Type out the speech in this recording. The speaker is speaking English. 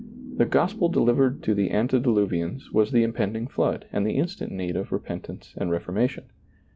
The gospel delivered to the antediluvians was the impending Hood and the instant need of repentance and reformation.